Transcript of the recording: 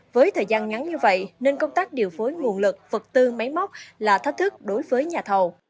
với thời gian ngắn như vậy nên công tác điều phối nguồn lực vật tư máy móc là thách thức đối với nhà thầu